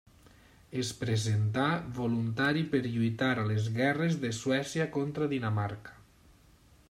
Es presentà voluntari per lluitar a les guerres de Suècia contra Dinamarca.